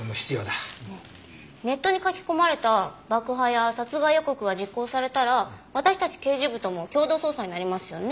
ネットに書き込まれた爆破や殺害予告が実行されたら私たち刑事部とも共同捜査になりますよね。